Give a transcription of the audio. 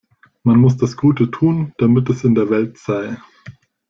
Man muss das Gute tun, damit es in der Welt sei.